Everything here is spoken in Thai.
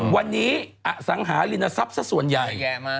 วันนี้อสังหารินทรัพย์สักส่วนใหญ่